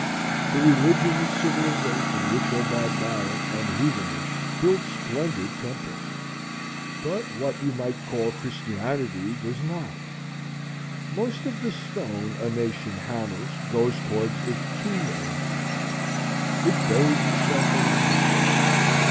The religion and civilization which are barbaric and heathenish build splendid temples; but what you might call Christianity does not. Most of the stone a nation hammers goes toward its tomb only. It buries itself alive.